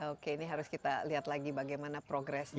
oke ini harus kita lihat lagi bagaimana progresnya